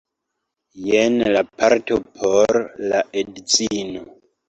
jen la parto por la edzino